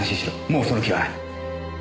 もうその気はない。